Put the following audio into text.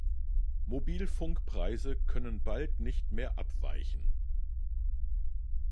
Mobilfunkpreise können bald nicht mehr abweichen.